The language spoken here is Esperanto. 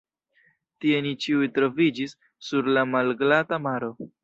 Tie ni ĉiuj troviĝis, sur la malglata maro!